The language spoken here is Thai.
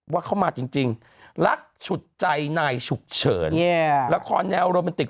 ว่าเขามาจริงรักฉุดใจนายฉุกเฉินละครแนวโรแมนติก